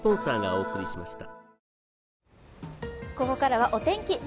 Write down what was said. ここからはお天気